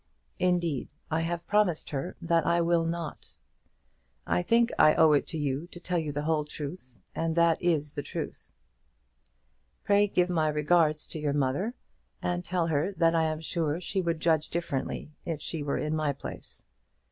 Indeed I have promised her that I will not. I think I owe it you to tell you the whole truth, and that is the truth. Pray give my regards to your mother, and tell her that I am sure she would judge differently if she were in my place.